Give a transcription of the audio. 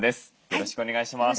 よろしくお願いします。